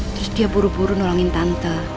terus dia buru buru nolongin tante